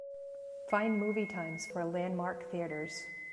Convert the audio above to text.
Find movie times for Landmark Theatres.